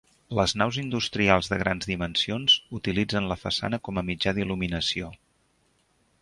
Les naus industrials de grans dimensions utilitzen la façana com a mitjà d'il·luminació.